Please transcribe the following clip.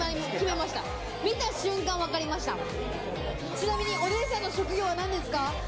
ちなみに、お姉さんの職業は何ですか？